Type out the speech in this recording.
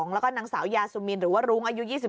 แล้วก็นางสาวยาซูมินหรือว่ารุ้งอายุ๒๓